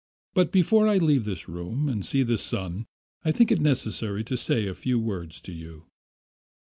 But before I leave this room and see the sun I think it necessary to say a few words to you.